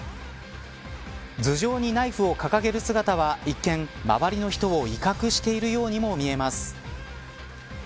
頭上にナイフを掲げる姿は一見、周りの人を威嚇しているようにも見えます。